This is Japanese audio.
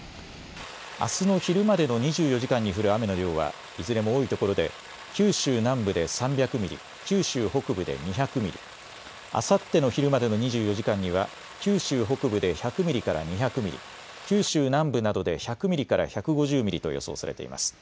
あすの昼までの２４時間に降る雨の量はいずれも多いところで九州南部で３００ミリ、九州北部で２００ミリ、あさっての昼までの２４時間には九州北部で１００ミリから２００ミリ、九州南部などで１００ミリから１５０ミリと予想されています。